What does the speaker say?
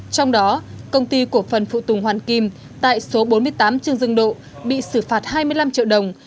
trong đó công ty của phần phụ tùng hoàn kiếm tại số bốn mươi tám trường dương độ bị xử phạt hai mươi năm triệu đồng